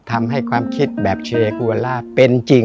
ทำให้ความคิดแบบเชกูวาล่าเป็นจริง